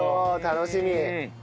楽しみ。